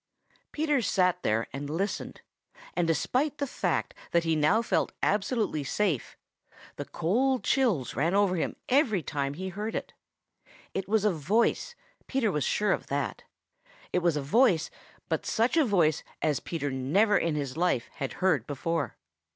Peter sat there and listened, and despite the fact that he now felt absolutely safe, the cold chills ran over him every time he heard it. It was a voice; Peter was sure of that. It was a voice, but such a voice as Peter never in his life had heard before.